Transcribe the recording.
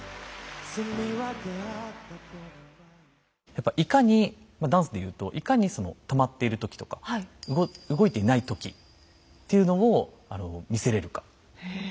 やっぱいかにダンスで言うといかにその止まっている時とか動いていない時っていうのを見せれるか。